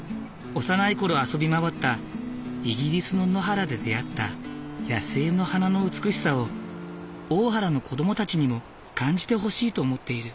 幼い頃遊び回ったイギリスの野原で出会った野生の花の美しさを大原の子どもたちにも感じてほしいと思っている。